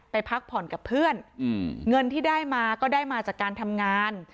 พักผ่อนกับเพื่อนเงินที่ได้มาก็ได้มาจากการทำงาน